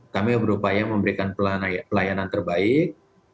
kami berupaya memberikan pelayanan terbaik